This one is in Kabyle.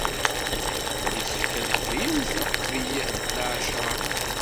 Yessefk ad d-teqqlemt uqbel lɛecṛa.